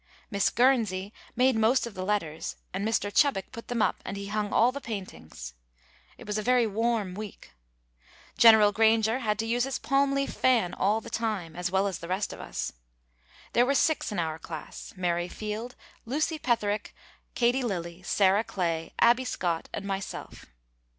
Miss Guernsey made most of the letters and Mr. Chubbuck put them up and he hung all the paintings. It was a very warm week. General Granger had to use his palm leaf fan all the time, as well as the rest of us. There were six in our class, Mary Field, Lucy Petherick, Kate Lilly, Sarah Clay, Abby Scott and myself.